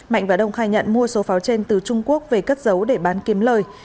mạnh và đông khai nhận mua số pháo trên từ trung quốc về cất giấu để bán kiếm lời